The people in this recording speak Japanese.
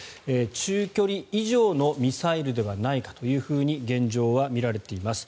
中距離以上のミサイルではないかと現状は見られています。